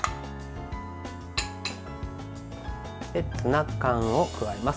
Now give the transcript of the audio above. ツナ缶を加えます。